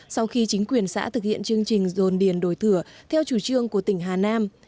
sau khi chính quyền xã thực hiện chương trình dồn điền đổi thửa theo chủ trương của tỉnh hà nam